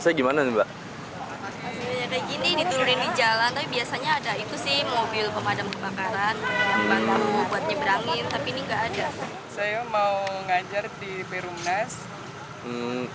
saya mau ngajar di perumnas